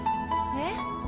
えっ？